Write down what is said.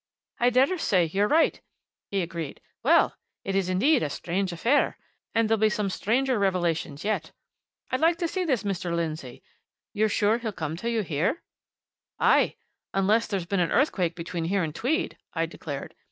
"I daresay you're right," he agreed. "Well! it is indeed a strange affair, and there'll be some stranger revelations yet. I'd like to see this Mr. Lindsey you're sure he'll come to you here?" "Aye! unless there's been an earthquake between here and Tweed!" I declared.